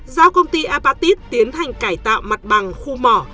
giao công ty apatit tiến hành cải tạo mặt bằng khu mỏ